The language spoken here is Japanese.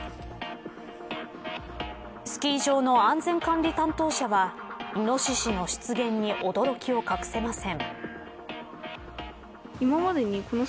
スキー場の安全管理担当者はイノシシの出現に驚きを隠せません。